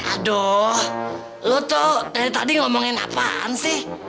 aduh lo tuh dari tadi ngomongin apaan sih